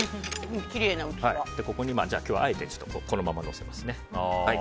ここに、今日はあえてこのままのせますね。